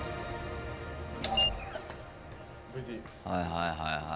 はいはいはいはい。